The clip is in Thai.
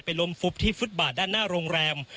ล้มฟุบที่ฟุตบาทด้านหน้าโรงแรม